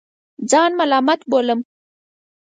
ځان ملامت بولم.